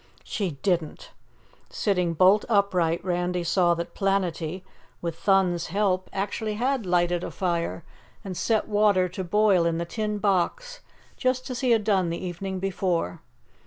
"She didn't!" Sitting bolt upright, Randy saw that Planetty, with Thun's help, actually had lighted a fire and set water to boil in the tin box just as he had done the evening before.